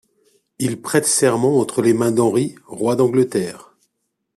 Il prête serment entre les mains d'Henri, roi d'Angleterre.